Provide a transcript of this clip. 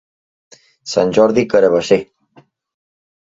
Sant Jordi, carabasser.